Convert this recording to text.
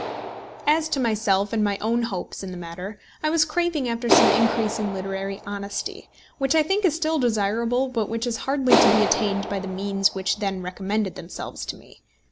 As to myself and my own hopes in the matter, I was craving after some increase in literary honesty, which I think is still desirable, but which is hardly to be attained by the means which then recommended themselves to me.